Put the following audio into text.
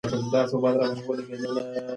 ایا تاسي غواړئ فضا ته لاړ شئ؟